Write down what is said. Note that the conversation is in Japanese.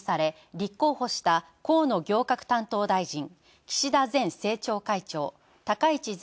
立候補した河野行革担当大臣岸田前政調会長、高市前